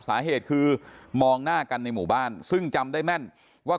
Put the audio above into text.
สาเหตุคือมองหน้ากันในหมู่บ้านซึ่งจำได้แม่นว่า